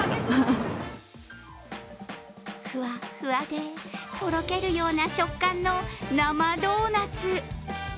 ふわふわで、とろけるような食感の生ドーナツ。